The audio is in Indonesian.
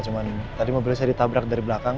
cuman tadi mobilnya saya ditabrak dari belakang